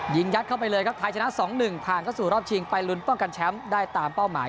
ยัดเข้าไปเลยครับไทยชนะ๒๑ผ่านเข้าสู่รอบชิงไปลุ้นป้องกันแชมป์ได้ตามเป้าหมาย